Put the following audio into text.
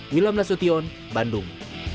wilham lasution bandung